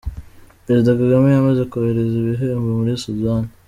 Perezida Kagame yamaze kohereza ibihembo muri Sudan.